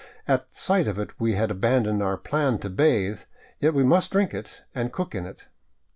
At sight of it we had abandoned our plan to bathe, yet we must drink it and cook in it.